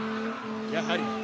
やはり。